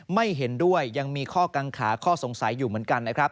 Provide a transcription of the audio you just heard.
ไม่เห็นด้วยยังมีข้อกังขาข้อสงสัยอยู่เหมือนกันนะครับ